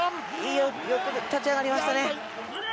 よく立ち上がりましたね。